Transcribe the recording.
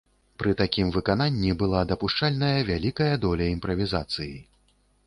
Пры такім выкананні была дапушчальная вялікая доля імправізацыі.